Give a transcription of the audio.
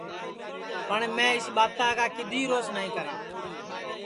پٹؔ میں اِس ٻاتا کا کِدؔی روس نائی کرا